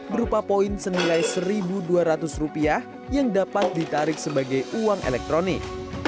berupa poin senilai rp satu dua ratus yang dapat ditarik sebagai uang elektronik